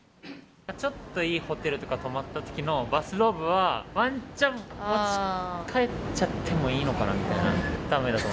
ちょっといいホテルとか泊まったときの、バスローブは、ワンチャン、持ち帰っちゃってもいいのかなみたいな。